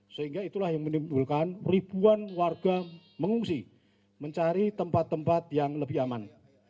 sehingga itulah yang menimbulkan ribuan warga mengungsi mencari tempat tempat yang lebih aman